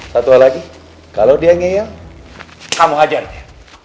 satu hal lagi kalau dia ngeyel kamu hajar dia